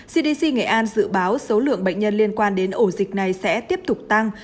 cdc nghệ an dự báo số lượng bệnh nhân liên quan đến ổ dịch này sẽ tiếp tục tăng